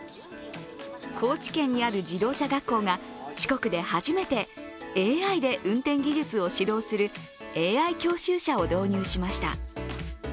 高知県にある自動車学校が四国で初めてＡＩで運転技術を指導するＡＩ教習車を導入しました。